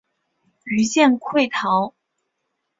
余舰溃逃。